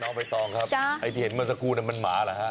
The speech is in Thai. น้องไปต้องครับให้เห็นมันสกูลนั้นมันหมาเหรอครับ